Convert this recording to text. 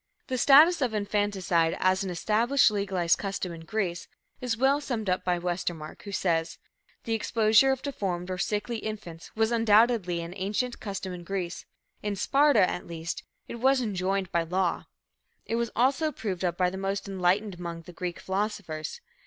The status of infanticide as an established, legalized custom in Greece, is well summed up by Westermark, who says: "The exposure of deformed or sickly infants was undoubtedly an ancient custom in Greece; in Sparta, at least, it was enjoined by law. It was also approved of by the most enlightened among the Greek philosophers.